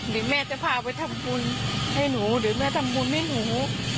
เดี๋ยวแม่จะพาไปทำบุญให้หนูเดี๋ยวแม่ทำบุญให้หนู